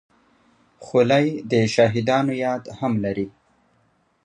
خولۍ د شهیدانو یاد هم لري.